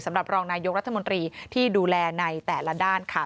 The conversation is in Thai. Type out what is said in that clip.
สำหรับรองนายกรรธมนตรีที่ดูแลในแต่ละด้านค่ะ